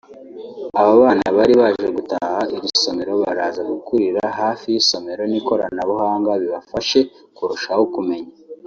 Aba bana bari baje gutaha iri somero baraza gukurira hafi y’isomero n’ikoranabuhanga bibafashe kurushaho kumenya